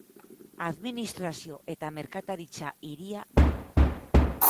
Administrazio eta merkataritza hiria da.